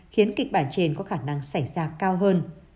khiến kịch bản trên có khả năng xảy ra cao hơn